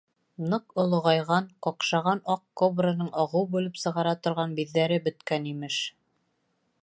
Ныҡ олоғайған, ҡаҡшаған аҡ кобраның ағыу бүлеп сығара торған биҙҙәре бөткән, имеш.